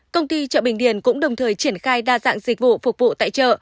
công ty chợ bình điền cũng đồng thời triển khai đa dạng dịch vụ phục vụ tại chợ